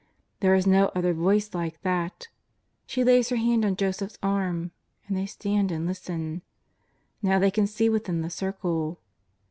There is no other voice like that. She lays her hand on Joseph's arm and they stand and listen. Now they can see within the circle.